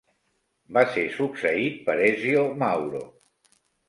Va ser succeït per Ezio Mauro.